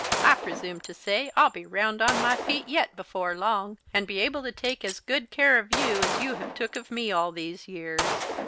I presume to say I'll be round on my feet yet, before long, and be able to take as good care of you as you have took of me all these years.